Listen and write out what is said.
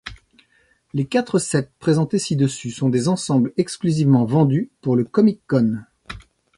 Les quatre sets présentés ci-dessus sont des ensembles exclusivement vendus pour le Comic-Con.